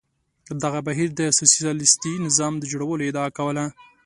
دغه بهیر د سوسیالیستي نظام د جوړولو ادعا کوله.